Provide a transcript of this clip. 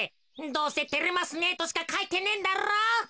どうせ「てれますね」としかかいてねえんだろう。